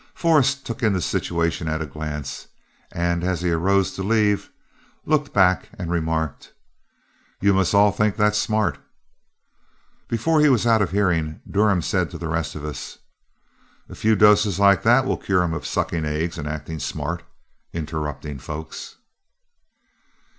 Forrest took in the situation at a glance, and as he arose to leave, looked back and remarked, "You must all think that's smart." Before he was out of hearing, Durham said to the rest of us, "A few doses like that will cure him of sucking eggs and acting smart, interrupting folks."